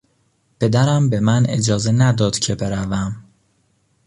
پدرم به من اجازه نداد که بروم.